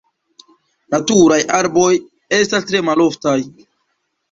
Naturaj arboj estas tre maloftaj.